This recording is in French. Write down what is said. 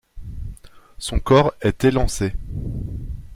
Son corps est élancé.